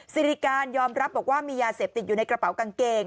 สิริการยอมรับบอกว่ามียาเสพติดอยู่ในกระเป๋ากางเกง